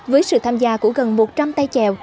với sự tham gia của gần một trăm linh tay trèo